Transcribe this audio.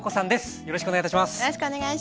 よろしくお願いします。